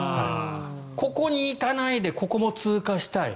ここに行かないでここも通過したい。